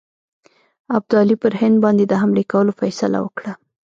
ابدالي پر هند باندي د حملې کولو فیصله وکړه.